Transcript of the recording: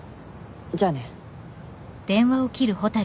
じゃあね。